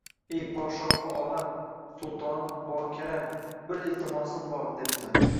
Ey, podshohi olam, sultoni bokaram, bir iltimosim bor, debdi